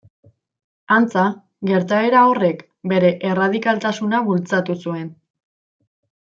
Antza, gertaera horrek bere erradikaltasuna bultzatu zuen.